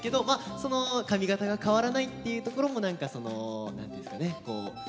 その髪形が変わらないっていうところも何かその何て言うんですかね